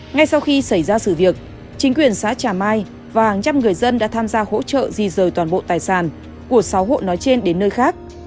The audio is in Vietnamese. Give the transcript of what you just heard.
ngay sau khi xảy ra sự việc chính quyền xã trà mai và hàng trăm người dân đã tham gia hỗ trợ di rời toàn bộ tài sản của sáu hộ nói trên đến nơi khác